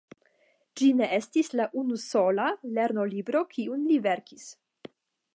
Ĝi ne estis la unusola lernolibro kiun li verkis.